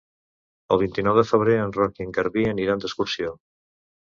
El vint-i-nou de febrer en Roc i en Garbí aniran d'excursió.